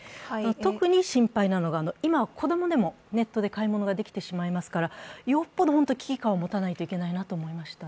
特に心配なのが、今、子供でもネットで買い物ができてしまいますから、よっぽど危機感を持たないといけないなと思いました。